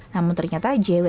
namun ternyata jw tidak menolak